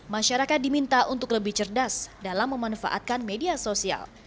masyarakat diminta untuk lebih cerdas dalam memanfaatkan media sosial